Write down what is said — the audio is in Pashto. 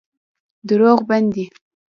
دروغ بد دی.